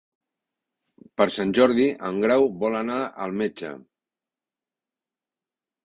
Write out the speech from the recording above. Per Sant Jordi en Grau vol anar al metge.